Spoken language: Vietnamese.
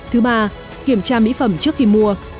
thứ ba kiểm tra mỹ phẩm trước khi mua